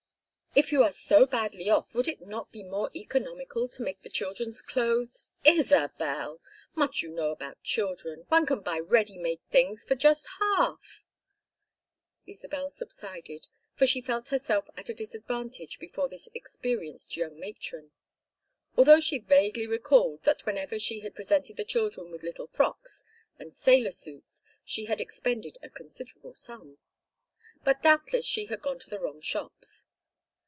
"If you are so badly off would it not be more economical to make the children's clothes " "Isabel! Much you know about children! One can buy ready made things for just half." Isabel subsided, for she felt herself at a disadvantage before this experienced young matron; although she vaguely recalled that whenever she had presented the children with little frocks and sailor suits she had expended a considerable sum. But doubtless she had gone to the wrong shops.